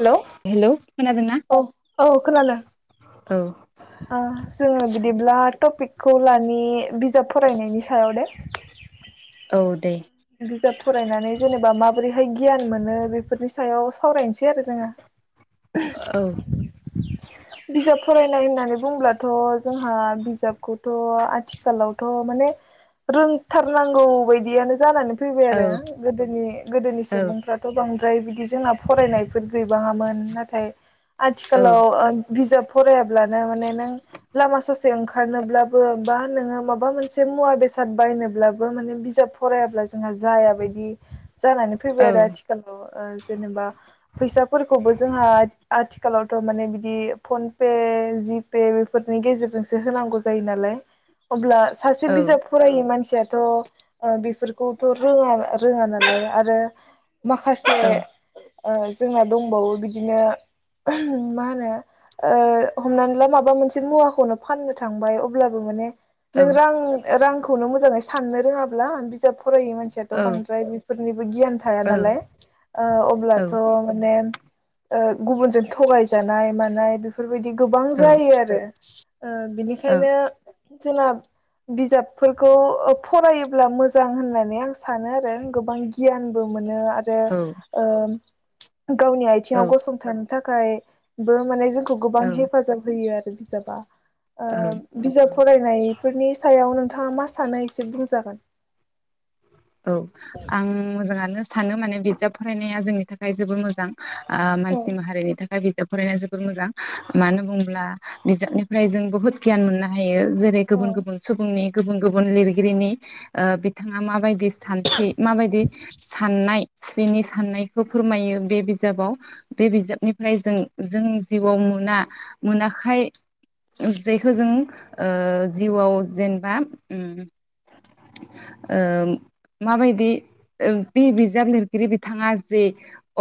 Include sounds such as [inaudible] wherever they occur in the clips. हेल hello खोनादोंना? औ औ खोनादों। औ। ओ जोङो बिदिब्ला टपिक। खौ लानि बिजाब फरायनायनिस औ दे। बिजाब फरायनानै जेनेबा माबोरैहाय गियान मोनो बेफोरनि सायाव सावरायनस सै आरो जोङो। औ बिजाब फरायनाय होननानै बुंब्लाथ' जोंहा बिजाबखौथ' आथिखालावथ' माने रोंथारनांगौ बायदियानो जानानैफ फैबाय औ आरो गदोनि गोदोनि औ सुबुंफ्राथ' बांद फ्राय बिदि जोंना फरायनायफ फोद गैबाङामोन नाथाय आथिखालाव ओ बिजाब फरायाब्लानो माने नों लामा ससे ओंखारनोब्लाबो बा नोङो माबा मोनसे मुवा बेसाद बायनोब्लाबो माने बिजाब फरायाब्ला जोंहा जायाबायदि। जानानै फैबाय औ आरो आथिखालाव ओ जेनेबा फैसाफोरखौबो जोंहा आथिखालावथ' माने बिदि। फनपे जिपे बेफोरनि गेजेरजोंसो होनांगौ जायो नालाय अब्ला। सासे औ बिजाब फरायो मानसियाथ थ ओ बेफोरखौथ' रोङा रोङा नालाय आरो। माखासे। औ ओ जोंना दंबावो बिदिनो मा होनो। ओ हमनानै ला माबा मोनसे मुवाखौनो फाननो थांबाय अब्लाबो माने औ नों रां रांखौनो मोजाङै सा साननो रोङाब्ला बिज जाब फरायै मानसियाथ' बांद्राय बेफोरनिबो गियान थाया नालाय ओ अब्लाथ माने। ओ गुबुनजों थगायजानाय मानाय बेफ बेफोरबायदि गोबां जायो आरो ओ औ बिनिखायनो जोंना बिजाबफोरखौ ओ फरायोब्ला मोजां होननानै आं सानो आरो गोबां गियानबो मोन नो आरो ओ गावनि आइथिङाव गसं थानो थाखायबो माने जों खौ गोबां हेफाजाब होयो आरो बि जाबा ओ औ औ बिजाब फरायनायफोरनि सायाव नोंथ नोंथाङा मा सानो एसे बुंजागोन औ आं मोजाङानो स सानो माने बिजाब फरायनाया जोंनि थाखाय जोबोर मोजां औ मानसि माहारिनि थाखाय बिजाब फराया जोबद मोजां मानो बुंब्ला बिजाबनिफ्राय जों बहुद गियान मोननो हायो जेरै गुबुन औ गुबुन सुबुंनि गुबुन गुबुन लिरगिरिनि ओ बिथाङा माबायदि सान्थि माबायदि साननाय बेनि साननायखौ फोरमायो बे बिजाबाव बे बिजाबनिफ्राय जों जोंनि जिउआव मोना मोनाखाय जेखौ जों ओ जिउआव जेनेबाओम माबायदि बे बिजाब लिरगिरि बिथाङा जे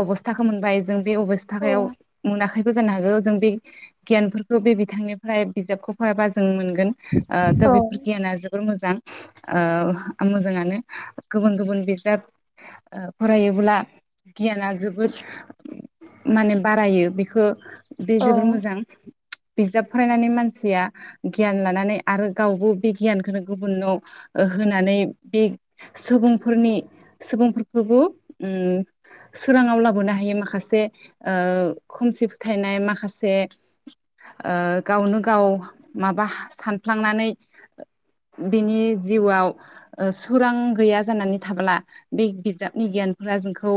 अबस्थाखौ मोनबाय जों बे अबस्थायाव मोनाख खैबो जानो हागौ जों बे गियानफोरखौ बे बिथांनिफ्राय बिजाबखौ फरायबा जों मोनग गोन ओ थ औ बेफोर गियाना जोबोर मोजां मोजां ओ मोजाङानो गुबुन गुबुन बिजाब ओ फरायोब्ला गियाना जोबोद माने बारायो बेखौ बे औ जोबोर मोजां बिजाब फरायनानै मानसिया गियान लानानै आरो गावबो बे गियानखौनो गुबुननाव होनानै बे सुबुंफोरनि सुबुंफोरखौबो उम सोराङाव लाबोनो हायो माखासे ओ खोमसि फोथायनाय माखासे ओ गावनो गाव माबा सानफ्लांनानै बिनि जिउआव ओ सोरां गैया जानानै थाब्ला बे बिजाबनि गियानफोरा जोंखौ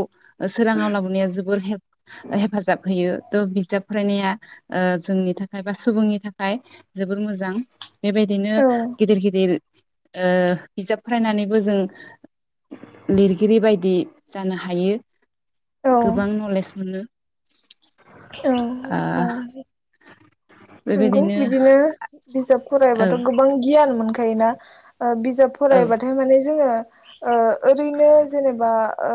सोराङाव लाबोनाया जोबोर हेल्प हेफाजाब होयो थ' बिजाब फरायनाया जोंनि थाखाय बा सुबुंनि थाखाय जोबोर मोजां बेबायदिनो औ गिदिर गिदिर ओ बिजाब फरायनानैबो जों लिरगिरि बायदि जानो हायो गोबां नलेज मोनो औ ओ नंगौ बेबायदिनो बिदिनो बिजाब औ फरायबाथ' गोबां गियान मोनखायोना ओ बिजाब औ फरायबाथाय माने जोङो ओ ओरैनो जेनेबा ओ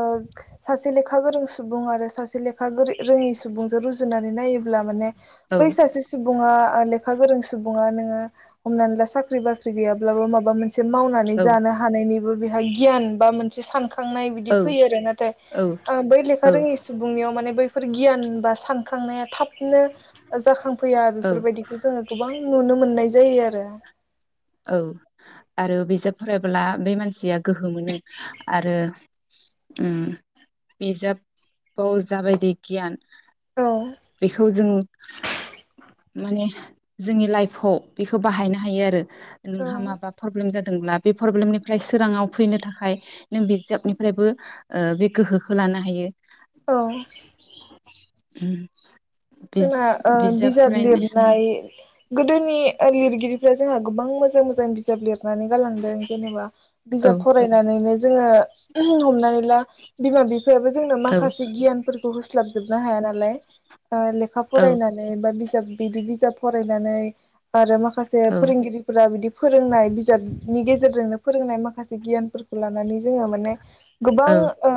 सासे लेखा गोरों सुबुं आरो सासे लेखा गोरि रोङि सुबुं रुजुनानै नायोब्ला माने औ बै सासे सुबुङा लेखा गोरों सुबुङा नोङो हमनानै ला साख्रि बाख्रि गैयाब्लाबो माबा मोनसे मावनानै औ जानो हानायनि गियान बा मोनसे सानखा खांनाय बिदि औ फैयो आरो औ नाथाय बै लेखा औ रोङै सुबुंनियाव माने बै फोर गियान बास सानखांनाया थाबनो जाखांफैया औ बेफोरबायदिखौ जोङो गोबां नुनो मोननाय जायो आरो औ आरो बिजाब फरायब्ला बे मानसिया गोहो मोनो आरो बिजाबाव जाबायदि गियान औ बेखौ जों माने जोंनि लाइफआव बेखौ बाहायनो हायो आरो नोंहा औ माबा प्रब्लेम जादोंब्ला बे प्रब्लेमनिफ्राय सोराङाव फैनो थाखाय नों बिजाबनिफ्रायबो बे गोहोखौ लानो हायो औ उम जोंना ओ बिजाब लिरनाय गोदोनि लिरगिरिफ्रा जोंहा गोबां मोजां मोजां बिजाब लिर नानै गालांदों जेनेबा औ बिजाब फरायनानैनो जोङो हमनानै ला बिमा बिफायाबो जोंनो औ माखासे गियानफोरखौ होस्लाबजोबनो हाया नालाय। ओ लेखा औ फरायनानै बा बिजाब बिदि बिजाब फरायनानै आरो माख माखासे औ फोरोंगिरिफोरा बिदि फोरोंनाय बिजाबनि गेजेरजोंनो फोरोंनाय माखासे गियानफोरखौ लानानै जोङो माने गोबां औ ओ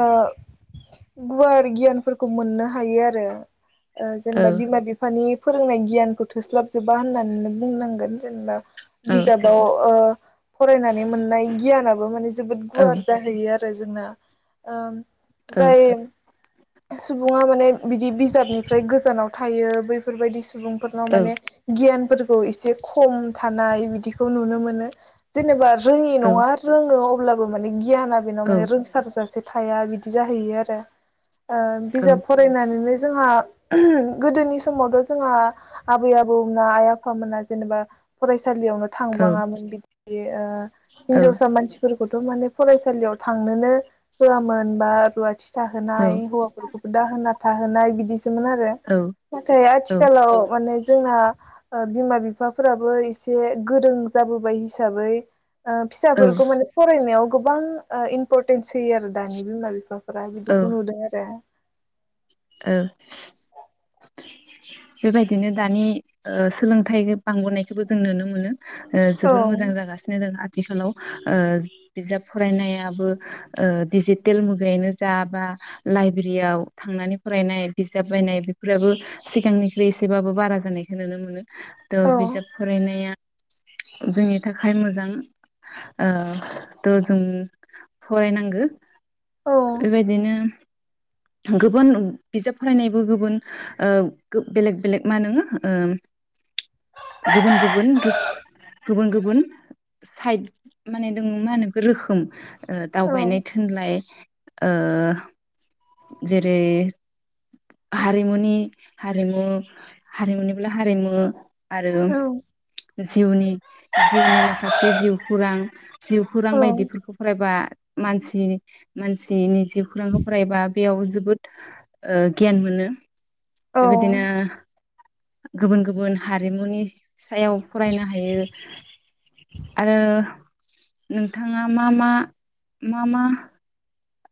गुवार गियानफोरखौ मोननो हायो आरो ओ जेनेबा बिमा बिफानि फोरोंनाय गियानखौ थोस्लाबजोबा होननानैनो बुंनांगोन जेनेबा औ बिजाबाव ओ फरायनानै मोननाय गियानाबो माने जोबोद औ गुवार जाहैयो आर फ्राय जोंना ओम औ जायो। सुबुङा माने बिदि बिजाबनि फ्राय गोजानाव थायो बैफोरबायदि सु सुबुंफोरनाव औ माने गियानफोरखौ इसे खम थानाय बिदिखौ नुनो मोनो जेनेबा रोङि औ नङा रोङो अब्लाबो माने गियाना बेनाव औ औ माने रोंसारजासे थाया बिदि जाहैयो आरो ओ बिजाब फरायनानैनो जोंहा गोदोनि समावथ' जोंहा आबै आबौमोना आइ आफामोना जेनेबा फरायस सालियावनो थांबाङामोन बिदि ओ हिनजावसा मानसिफोरखौथ' माने फरायसालियाव थांनोनो होआमोन बा रुवाथि जाहोनाय फोरखौबो दाहोन ना थाहोनाय बिदिस सोमोन आरो नाथाय आथिखालाव माने जोंना ओ बिमा बिफाफोराबो इसे गोरों जाबोबाय हिसाबै ओ फिसाफोरखौ माने फरायनायाव गोबां ओ इमपरटेन्स होयो आरो दानि बिमा बिफा दा औ बिदिखौ नुदों दाय औ। बेबायदिनो दानि ओ सोलोंथाइ बांबोनायखौबो जों नुनो मोनो। ओ औ जोबोर मोजां जागासिनो दङ आथिखालाव ओ बिजाब फरायनायाबो ओ दिडिजिटेल मुगायैनो जा बा लाइब्रेरियाव थांनानै फरायनाय बिजाब बायनाय बेफोराबो सिगांनिख्रुइ एसेबाबो बारा जानायखौ नुनो मोनो। त' औ बिजाब फरायनाया जोंनि थाखाय मोजां ओ थ' जों फरायनांगौ औ बेबायदिनो गुबुन बिजाब फरायनायबो गुबुन ओ गो बेलेग बेलेग मा नोङो ओ गुबुन गुबुन [unintelligible] गुबुन गुबुन साइद माने जों मा होनो बेखौ रोखोम। ओ औ दावबायनाय थुनलाइ। ओ जेरै हारिमुनि हारिमु हारिमुनिलाहारिमु आरो जिउनि जिउनि माखासे जिउखौरां जिउखौरां औ बायदिफोरखौ फरायबा मानसि मानसिनि जिउ खौरांखौ फरायबा बेयाव जोबोद ओ गियान मोनो। औ बेबायदिनो गुबुन गुबुन हारिमुनि सायाव फरायनो हायो। आरो नोंथाङा मा -मा- मा -मा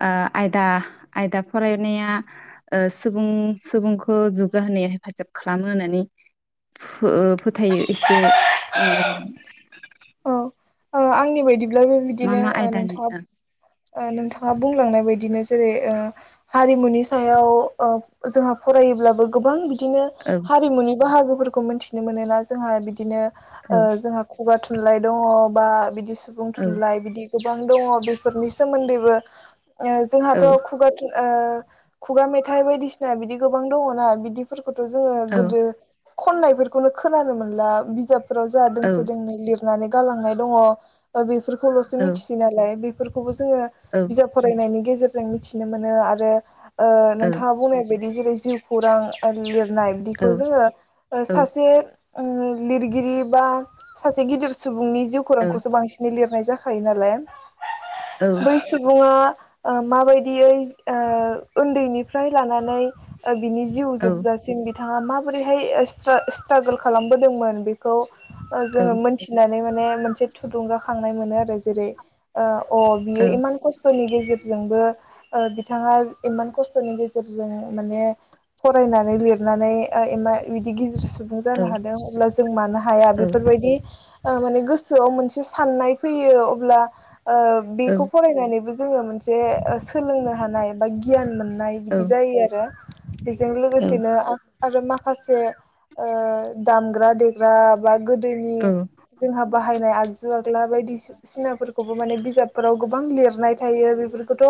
ओ आयदा आयदा फरायनाया ओ सुबुं सुबुंखौ जौगाहोनायाव हेफाजाब खालामो होननानै फो फोथायो एसे [unintelligible] औ आंनि बायदि नों मा बिदिनो मा ओ आयदानि नोंथाङा औ ओ नोंथाङा बुंलांनाय बायदिनो जेरै ओ हारिमुनि सायाव ओ जोंहा फरायोब्लाबो गोबां बि दिनो औ हारिमुनि बाहागो फोरखौ मिथिनो मोनोना जोंहा बिदिनो ओ जोंहा खुगा थु थुनलाय दंङ बा बिदि सुबुं औ थुनलाइ बिदि गोबां दङ बेफोरनि सोमोन्दैबो ओ औ जोंहाथ' खुगा थुन ओ खुगा मेथाइ बायदिसिना बिदि गोबां दंङना बिदि फोर खथ' जोङो औ गोदो खननायफोरखौनो खोनानो मोनला बिजाब फोराव जा दोंसे दोंनै लिर नानै गालांनाय दंङ ओ बे फोरखौल'सो औ मिथिसै नालाय बे फोरखौबो जोङो औ बिजाब फरायनायनि गेजे जेरजों मिथिनो मोनो आरो ओ नोंथाङा बुंनाय बाय दि जेरै जिउ खौरां आर लिर नाय औ बिदिखौ जोङो ओ सासे उम लिरगिरि बा सासे गिदिर सुबुंनि औ खौरांखौसो बांसिन लिरनाय जाखा खायो नालाय। औ बै सुबुङा ओ माबायदियै ओ उन्दैनिफ्राय लानानै ओ बिनि जिउ औ जोबजासिन बि थांङा माबोरैहाय स्ट्रागोल खालामबोदोंमोन बेखौ जोङो मोनथिनानै माने से थुलुंगाखांनाय मोनो आरो जेरै ओ अ बियो इमान खथनि गेजेर रजोंबो ओ बिथाङा इमान खस्थनि गेजेरजों माने फरायनानै लिरनानै मा इ गिदिर सुबुं जानो हादों अब्ला जों मानो हाया औ बेफोरबायदि ओ माने गो सोआव मोनसे साननाय फैयो अब्ला ओ बेखौ फरायनानैबो जोङो मोनसे ओ सोलोंनो हानाय बा गियान मोन नाय बिदि ओ जायो आरो बेजों लोगोसेनो आं आरो मा खासे ओ दामग्रा देग्रा बा गो जोंनि जोंनि जोंहाबो बाहायनाय आगजु आगला बायदिसिसिनाफोरखौबो माने बिजाबफोराव गोबां लिरनाय थायो बेफोरखौथ'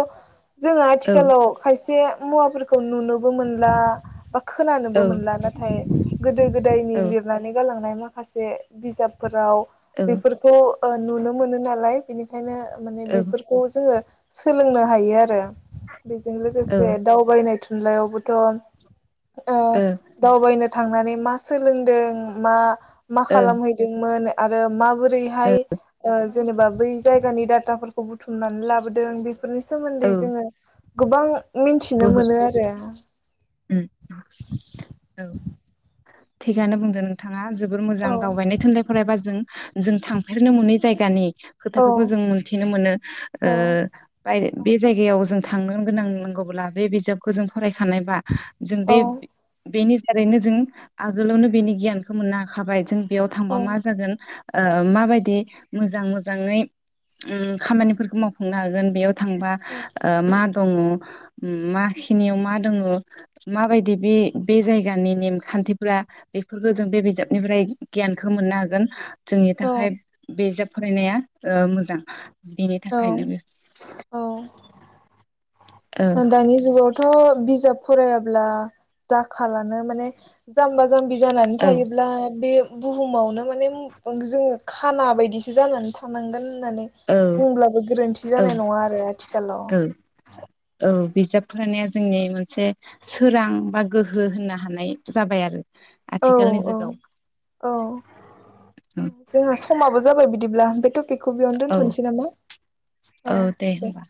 जोंङो ओ आथिखालाव खायसे मुवाफोरखौ नुनोबो मोनला बा खोनानोबो मोनला नाथाय गोदो गोदायनि लिरनानै गालांनाय मथ माखासे बिजाबफोराव बेफोरखौ ओ नुनो मोनो नालाय बिनि खायनो माने बेफोरखौ जोङो सोलोंनो हायो आरो बेजों लोगोसे दावबायनाय थुनलाइयावबोथ ओ दावबायनाय थांनानै मा सोलोंदों मा मा खालामहैदोंमोन आरो मा बोरैहाय ओ ओ जेनेबा बै जायगानि डाटाफोरखौ बुथुमनानै लाबोदों बे बेफोरनि सोमोन्दै औ जोङो गोबां मिथिनो बहुद मोनो आरो [inaudible] औ थिगानो बुंदों नोंथां ना जोबोर मोजां औ दावबायनो थोनलाय फरायबा जों जों थांफेरनो मोनै जायगानि औ खोथाखौबो जों मोनथिनो मोनो औ बाय बे जायगायाव जों थांनो गोनां नांगौ अब्ला बे बिजाबखौ जों फरायखानायबा जों औ बे बेनि दारैनो जों आगोलावनो बेनि गियानखौ मोननो हाखाबाय जों बेयाव थांबा मा औ जागोन माबायदि मोजां मोजाङै खामानिफोरखौ मावफुंनो हागोन बेयाव थांबा मा दंङ माखिनियाव मा दङ माबायदि बे बे जायगानि नेमखान्थिफोरा बेफोरखौ जों बे बिजाबनिफ्राय गियानखौ मोननो हागोन जोंनि औ थाखाय बेजाब फरायनाया मोजां बेनि औ थाखायनो बो ओन्दैनि जुगावथ' बिजाब फरायाब्ला जाखालानो माने जाम्बा जाम्बि जानानै औ थायोब्ला बे बुहुमावनो माने जोङो खाना बायदिसिना जानानै थानांगोन होननानै औ बुंब्लाबो गोरोन्थि औ जानाय नङा आरो आथिखालाव। औ औ बिजाब फरायनाया जोंनि मोनसे सोरां बा गोहो होननो हानाय जाबाय आरो। औ आथिखालनि औ जुगाव औ जोंहा समाबो जाबाय बि दिब्ला बेथ' औ औ दे होनबा।